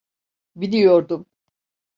Biliyordum.